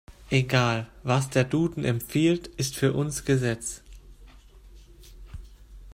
Egal. Was der Duden empfiehlt, ist für uns Gesetz.